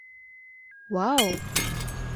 Уау!